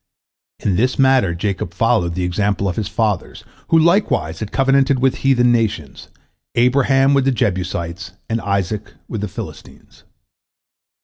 In this matter Jacob followed the example of his fathers, who likewise had covenanted with heathen nations, Abraham with the Jebusites, and Isaac with the Philistines.